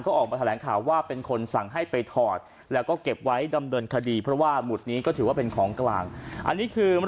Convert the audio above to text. ก็ออกไปแถลงข่าวว่าเป็นคนสั่งให้ไปถอด